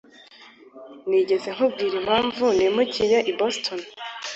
Nigeze nkubwira impamvu nimukiye i Boston?